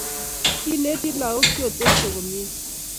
Kineti lakok kiotepso komyei